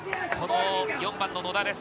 ４番の野田です。